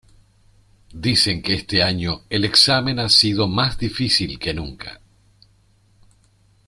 Dicen que este año el exámen ha sido más difícil que nunca.